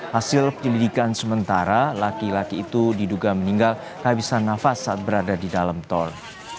hasil penyelidikan sementara laki laki itu diduga meninggal habisan nafas saat berada di dalam tol